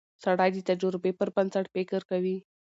سړی د تجربې پر بنسټ فکر کوي